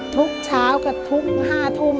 ทุกเช้าก็ทุกห้าทุ่ม